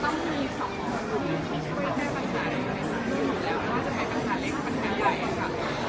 มันก็ต้องมี๒ธนตรีไม่แค่ปัญหาแห่งในที่หมดแล้วไหมว่าจะมีปัญหาเล็กไม่มีปัญหาใหญ่เองวย